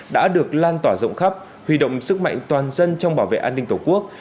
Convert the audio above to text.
đã được lan tỏa rộng khắp huy động sức mạnh toàn dân trong bảo vệ an ninh tổ quốc